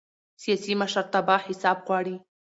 سیاسي مشرتابه حساب غواړي